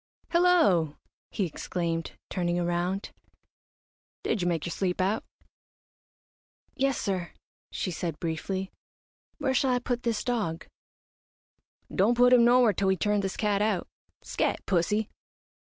"Hello!" he exclaimed, turning around, "did you make your sleep out?" "Yes sir," she said, briefly. "Where shall I put this dog?" "Don't put him nowhere till we turn this cat out. Scat, pussy!"